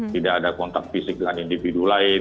tidak ada kontak fisik dengan individu lain